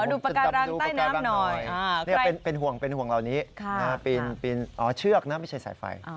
ขอดูประการรังใต้น้ำหน่อยนี่เป็นห่วงเป็นห่วงเหลานี้นะคะเราเป็นเชือกนะไม่ใช่สายไฟ